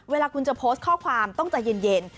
เวลาคุณจะโพสต์ข้อความต้องใจเย็น